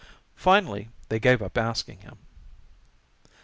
Finally they gave up asking him.